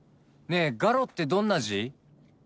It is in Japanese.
ねえ「ガロ」ってどんな字？